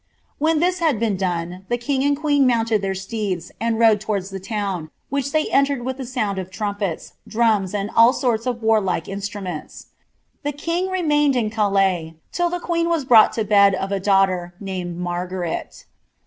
When this had been done, the king and queen mounted their steeds, and ode towards the town, which they entered with the sound of trumpets, Irams, and all sorts of warlike instruments. The king remained in Ca um till the queen was brought to bed of a daughter, named Margaret."